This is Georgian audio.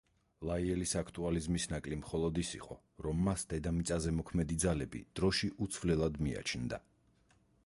ლაიელის აქტუალიზმის ნაკლი მხოლოდ ის იყო, რომ მას დედამიწაზე მოქმედი ძალები დროში უცვლელად მიაჩნდა.